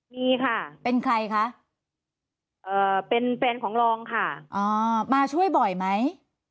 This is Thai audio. มีค่ะเป็นใครคะเป็นแฟนของรองค่ะมาช่วยบ่อยไหม